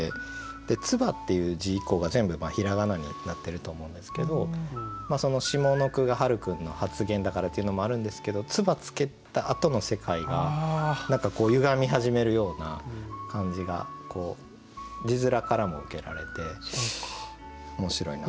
「唾」っていう字以降が全部平仮名になってると思うんですけど下の句がはる君の発言だからっていうのもあるんですけど唾つけたあとの世界が何かゆがみ始めるような感じが字面からも受けられて面白いなと。